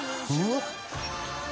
うわっ！